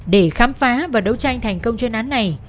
để khám phá và đấu tranh thành công chuyên án này